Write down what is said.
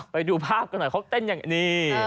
ไปดูภาพกันหน่อยเขาเต้นอย่างนี้